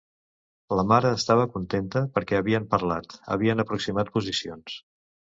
La mare estava contenta perquè havien parlat, havien aproximat posicions.